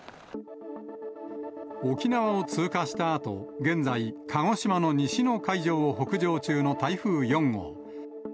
沖縄を通過したあと、現在、鹿児島の西の海上を北上中の台風４号。